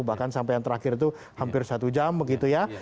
bahkan sampai yang terakhir itu hampir satu jam begitu ya